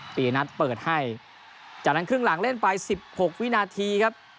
ปีนัดเปิดให้จากนั้นครึ่งหลังเล่นไปสิบหกวินาทีครับ